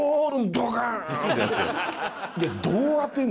ドカーン！ってなって。